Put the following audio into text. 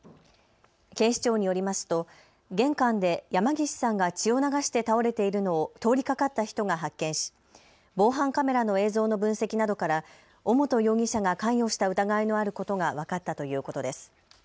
警視庁によりますと玄関で山岸さんが血を流して倒れているのを通りかかった人が発見し防犯カメラの映像の分析などから尾本容疑者が関与した疑いのあることが分かったということです。